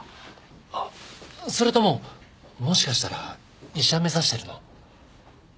あっそれとももしかしたら医者目指してるの？